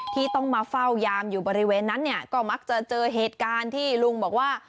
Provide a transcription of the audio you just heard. ที่ต้องมาเฝ้ายามอยู่บริเวณนั้นเนี่ยก็มักจะเจอเหตุการณ์ที่ลุงบอกว่า